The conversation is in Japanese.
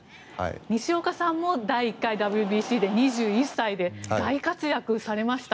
西岡さんも第１回ＷＢＣで２１歳で大活躍されました。